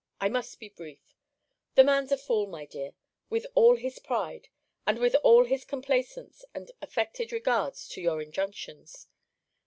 I must be brief The man's a fool, my dear, with all his pride, and with all his complaisance, and affected regards to your injunctions.